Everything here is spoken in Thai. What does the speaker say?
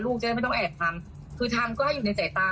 จะได้ไม่ต้องแอบทำคือทำก็ให้อยู่ในสายตา